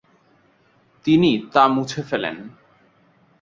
তিনি তা মুছে ফেলেন।